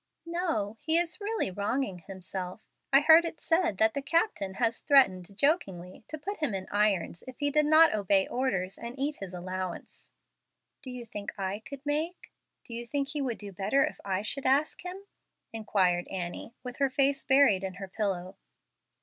"No; he is really wronging himself. I heard it said that the captain had threatened, jokingly, to put him in irons if he did not obey orders and eat his allowance." "Do you think I could make do you think he would do better if I should ask him?" inquired Annie, with her face buried in her pillow.